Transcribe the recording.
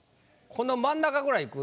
この真ん中ぐらいいく？